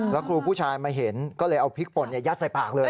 แล้วครูผู้ชายมาเห็นก็เลยเอาพริกป่นยัดใส่ปากเลย